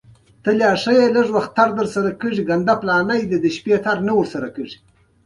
چارواکو ته پکار ده چې، کرنه پرمختګ ورکړي.